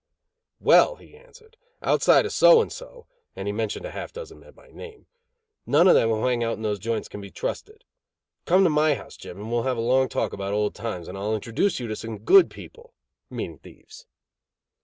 "Well," he answered, "outside of so and so (and he mentioned half a dozen men by name) none of them who hang out in those joints can be trusted. Come to my house, Jim, and we'll have a long talk about old times, and I will introduce you to some good people (meaning thieves)."